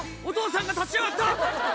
お父さんが立ち上がった！